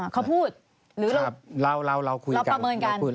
เขาพูด